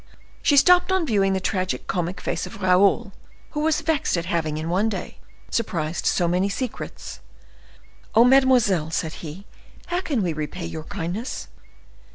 She stopped on viewing the tragic comic face of Raoul, who was vexed at having, in one day, surprised so many secrets. "Oh, mademoiselle!" said he; "how can we repay your kindness?"